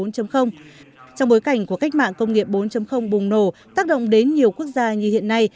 trong bối cảnh của cách mạng công nghiệp bốn bùng nổ tác động đến nhiều quốc gia như hiện nay